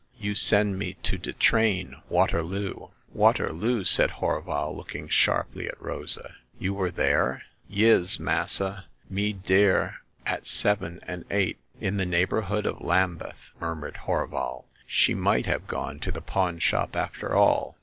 You send me to de train Waterloo !"Waterloo !" said Horval, looking sharply at Rosa. *' You were there ?"Yis, massa ; me dere at seven and eight." In the neighborhood of Lambeth," mur mured Horval. She might have gone to the pawn shop after all."